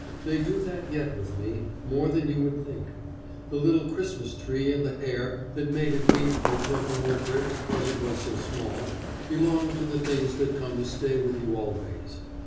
They do that yet with me, more than you would think. The little Christmas tree and the hare that made it weep by jumping over it because it was so small, belong to the things that come to stay with you always.